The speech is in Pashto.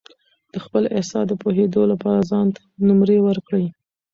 د خپل احساس د پوهېدو لپاره ځان ته نمرې ورکړئ.